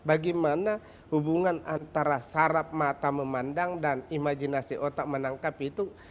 bagaimana hubungan antara sarap mata memandang dan imajinasi otak menangkap itu